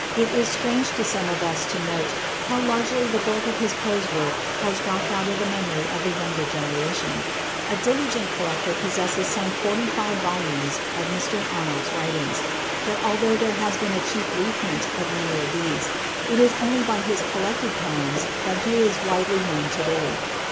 It is strange to some of us to note how largely the bulk of his prose work has dropped out of the memory of the younger generation. The diligent collector possesses some forty five volumes of Mr Arnold's writings; but although there has been a cheap reprint of many of these, it is only by his collected poems that he is widely known to day.